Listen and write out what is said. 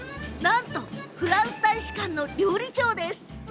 なんとフランス大使館の料理長。